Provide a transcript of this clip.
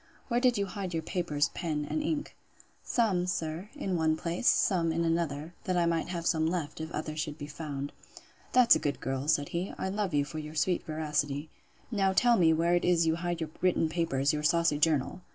Where did you hide your paper, pens, and ink? Some, sir, in one place, some in another; that I might have some left, if others should be found.—That's a good girl! said he; I love you for your sweet veracity. Now tell me where it is you hide your written papers, your saucy journal?